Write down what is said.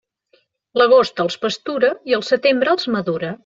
L'agost els pastura i el setembre els madura.